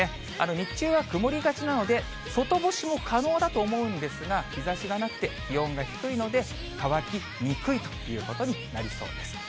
日中は曇りがちなので、外干しも可能だと思うんですが、日ざしがなくて気温が低いので、乾きにくいということになりそうです。